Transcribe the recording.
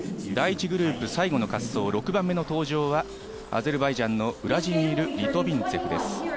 第１グループ最後の滑走６番目の登場は、アゼルバイジャンのウラジーミル・リトビンツェフです。